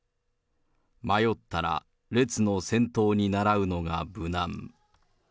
迷ったら列の先頭にならうのが無難。